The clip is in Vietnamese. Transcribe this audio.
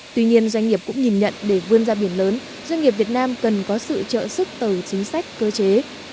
tuy nhiên doanh nghiệp cũng nhìn nhận để vươn ra biển lớn doanh nghiệp việt nam cần có sự trợ sức từ chính sách cơ chế